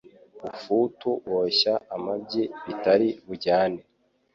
ufutu woshya amabyi bitari bujyane